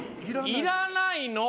いらないの！